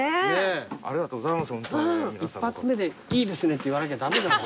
一発目で「いいですね」って言わなきゃ駄目だよ。